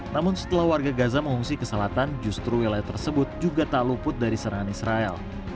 namun setelah warga gaza mengungsi ke selatan justru wilayah tersebut juga tak luput dari serangan israel